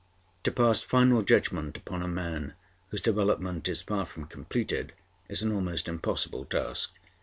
To pass final judgment upon a man whose development is far from completed is an almost impossible task.